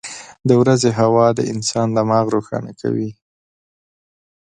• د ورځې هوا د انسان دماغ روښانه کوي.